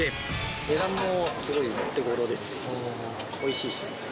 値段もすごいお手ごろですし、おいしいですね。